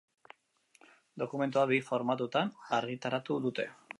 Dokumentua bi formatutan argitaratu dute.